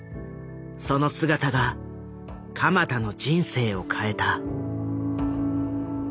その姿が鎌田の人生を変えた。